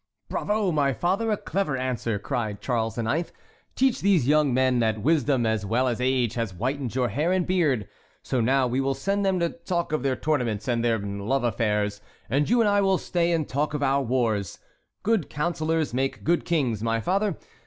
"Bravo, my father, a clever answer!" cried Charles IX.; "teach these young men that wisdom as well as age has whitened your hair and beard; so now we will send them to talk of their tournaments and their love affairs and you and I will stay and talk of our wars. Good councillors make good kings, my father.